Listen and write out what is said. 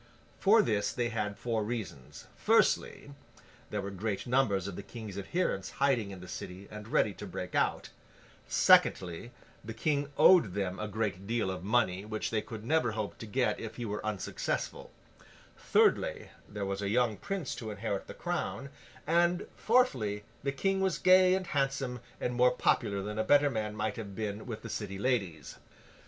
For this they had four reasons. Firstly, there were great numbers of the King's adherents hiding in the City and ready to break out; secondly, the King owed them a great deal of money, which they could never hope to get if he were unsuccessful; thirdly, there was a young prince to inherit the crown; and fourthly, the King was gay and handsome, and more popular than a better man might have been with the City ladies.